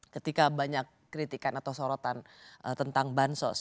ketika banyak kritikan atau sorotan tentang bansos